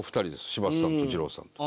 柴田さんと二郎さんと。